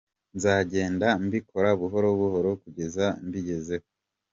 Nzagenda mbikora buhoro buhoro kugeza mbigezeho.